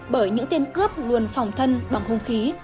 bởi những tên cướp luôn phòng thân bằng hung khí